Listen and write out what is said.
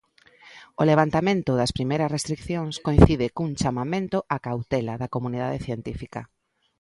O levantamento das primeiras restricións coincide cun chamamento á cautela da comunidade científica.